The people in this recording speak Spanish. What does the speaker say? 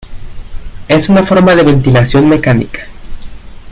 Es una forma de ventilación mecánica.